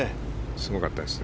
すごかったですね。